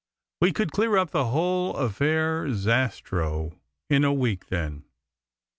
We could clear up the whole affaire Zastrow in a week then."